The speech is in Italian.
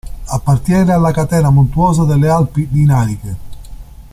Appartiene alla catena montuosa delle Alpi Dinariche.